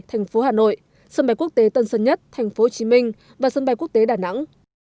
thành phố hà nội sân bay quốc tế tân sơn nhất thành phố hồ chí minh và sân bay quốc tế đà nẵng